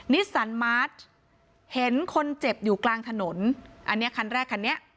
นิสสันมาร์ทเห็นคนเจ็บอยู่กลางถนนอันนี้คันแรกคันนี้